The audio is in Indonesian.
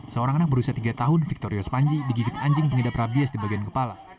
seorang anak berusia tiga tahun victorius panji digigit anjing pengidap rabies di bagian kepala